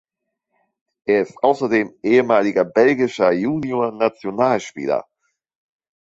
Er ist außerdem ehemaliger belgischer Juniorennationalspieler.